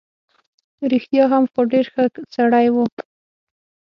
رښتیا هم، خو ډېر ښه سړی وو.